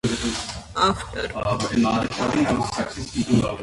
After Slammiversary Shelley and Sabin went inactive, barely making television appearances.